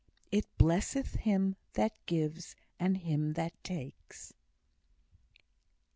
"It blesseth him that gives, and him that takes."